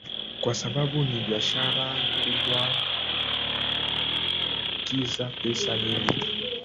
kwa sababu ni biashara kubwa inayoingiza pesa nyingi